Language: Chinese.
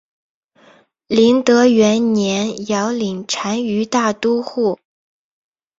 麟德元年遥领单于大都护。